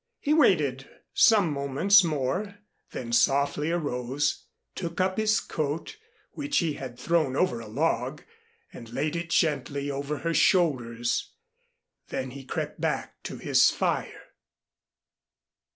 He waited some moments more, then softly arose, took up his coat, which he had thrown over a log, and laid it gently over her shoulders. Then he crept back to his fire.